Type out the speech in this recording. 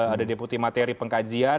ada deputi materi pengkajian